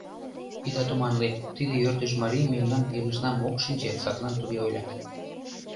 Ида туманле: тиде ӧрдыж марий мемнан илышнам ок шинче, садлан туге ойла.